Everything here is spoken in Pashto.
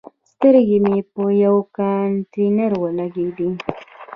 سترګې مې په یوه کانتینر ولګېدي.